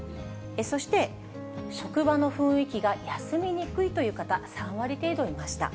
そして、職場の雰囲気が休みにくいという方、３割程度いました。